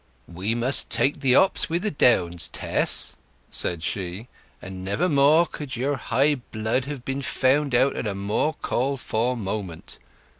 "We must take the ups wi' the downs, Tess," said she; "and never could your high blood have been found out at a more called for moment.